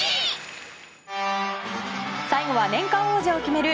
最後は年間王者を決める